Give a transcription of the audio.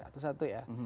itu satu ya